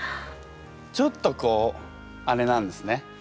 ちょっとこうあれなんですね。